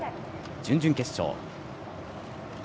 準々決勝。